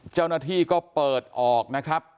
เจ้าหน้าที่ก็เปิดออกนะครับ